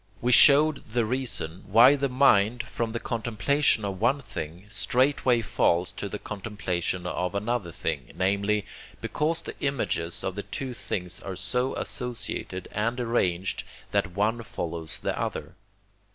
we showed the reason, why the mind, from the contemplation of one thing, straightway falls to the contemplation of another thing, namely, because the images of the two things are so associated and arranged, that one follows the other.